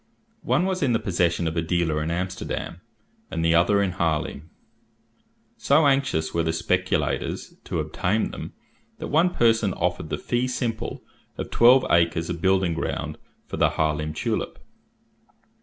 One was in the possession of a dealer in Amsterdam, and the other in Harlaem. So anxious were the speculators to obtain them, that one person offered the fee simple of twelve acres of building ground for the Harlaem tulip.